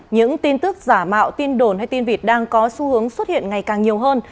những tin tức giả mạo tin đồn hay tin vịt đang có xu hướng xuất hiện ngày càng nhiều hơn